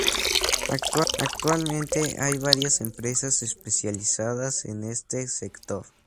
Actualmente hay varias empresas especializadas en este sector.